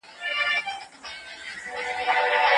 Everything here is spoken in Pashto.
تاسي باید د خپلو مېلمنو لپاره ارامه فضا برابره کړئ.